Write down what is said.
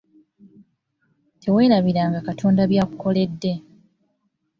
Teweerabiranga Katonda by’akukoledde.